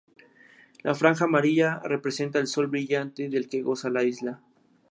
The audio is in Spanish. La franja amarilla representa el sol brillante del que goza la isla.